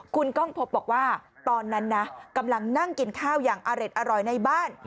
คุณก้องพบบอกว่าตอนนั้นนะกำลังนั่งกินข้าวอย่างอร่อยในบ้าน